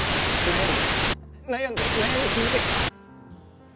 悩んで悩んで悩み続ける。